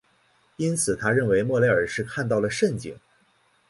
因此他认为莫雷尔是看到了蜃景。